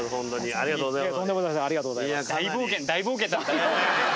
ありがとうございます。